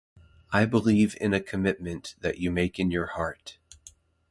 I believe in a commitment that you make in your heart.